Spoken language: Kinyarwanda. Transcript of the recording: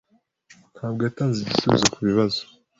Ntabwo yatanze igisubizo kubibazo.